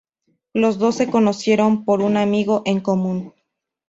Los dos se conocieron por un amigo en común.